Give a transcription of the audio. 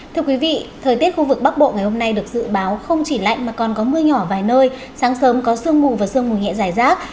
thưa quý vị thời tiết khu vực bắc bộ ngày hôm nay được dự báo không chỉ lạnh mà còn có mưa nhỏ vài nơi sáng sớm có sương mù và sương mù nhẹ dài rác